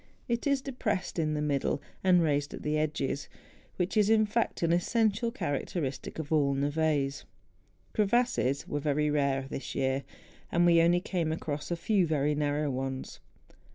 It is depressed in the middle and raised at the edges, which is, in fact, an essential character¬ istic of all neves. Crevasses were very rare this year; and we only came across a few very narrow ones.